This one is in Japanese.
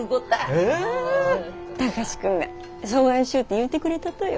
貴司君がそがんしようって言うてくれたとよ。